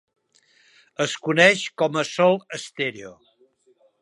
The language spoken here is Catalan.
Es coneix com a Sol Stereo.